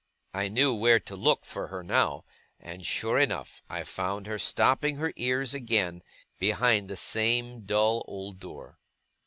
I knew where to look for her, now; and sure enough I found her stopping her ears again, behind the same dull old door.